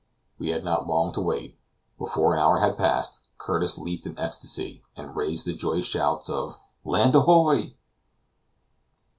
We had not long to wait. Before an hour had passed, Curtis leaped in ecstasy and raised the joyous shout of "Land ahoy!"